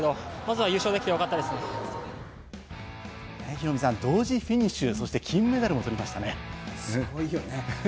ヒロミさん、同時にフィニッシュ、そして金メダルも取りましたね。